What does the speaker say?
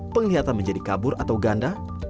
penglihatan menjadi kabur atau ganda